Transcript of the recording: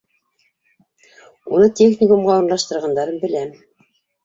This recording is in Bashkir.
Уны техникумға урынлаштырғандарын беләм.